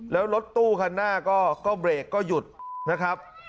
แล้วรถตู้คันหน้าก็เบรกก็หยุดนะครับ